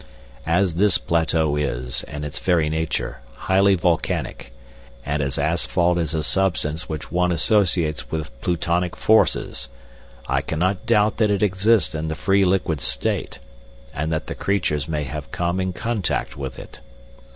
As this plateau is, in its very nature, highly volcanic, and as asphalt is a substance which one associates with Plutonic forces, I cannot doubt that it exists in the free liquid state, and that the creatures may have come in contact with it.